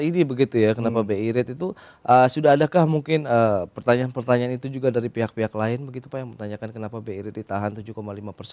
ini begitu ya kenapa bi rate itu sudah adakah mungkin pertanyaan pertanyaan itu juga dari pihak pihak lain begitu pak yang menanyakan kenapa bi rate ditahan tujuh lima persen